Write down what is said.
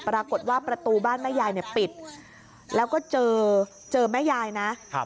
ปรากฏว่าประตูบ้านแม่ยายเนี่ยปิดแล้วก็เจอเจอแม่ยายนะ